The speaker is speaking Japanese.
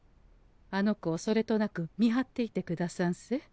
あの子をそれとなく見張っていてくださんせ。